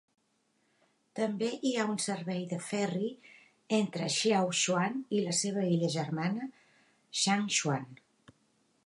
També hi ha un servei de ferri entre Xiachuan i la seva illa germana, Shangchuan.